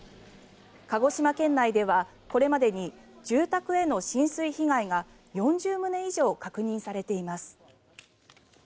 鹿児島県内ではこれまでに住宅への浸水被害が４０棟以上確認されています。